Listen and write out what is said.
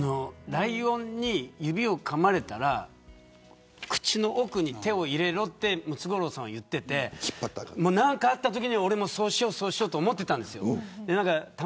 ライオンに指をかまれたら口の奥に手を入れろってムツゴロウさんは言っていて何かあったときに俺もそうしようと思ってました。